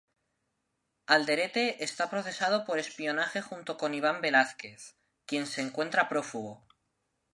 Alderete está procesado por espionaje junto con Iván Velázquez, quien se encuentra prófugo.